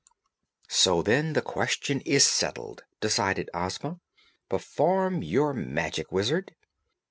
"So, then; the question is settled," decided Ozma. "Perform your magic, Wizard!"